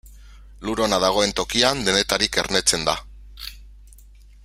Lur ona dagoen tokian, denetarik ernetzen da.